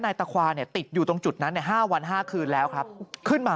ตะควาเนี่ยติดอยู่ตรงจุดนั้น๕วัน๕คืนแล้วครับขึ้นมา